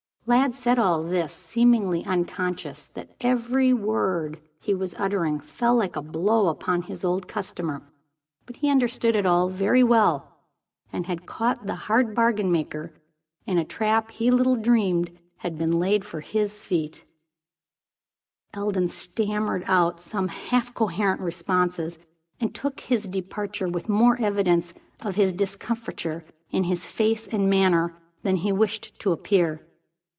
Lladd said all this seemingly unconscious that every word he was uttering fell like a blow upon his old customer. But he understood it all very well, and had caught the hard bargain maker in a trap he little dreamed had been laid for his feet. Eldon stammered out some half coherent responses, and took his departure with more evidences of his discomfiture in his face and manner than he wished to appear.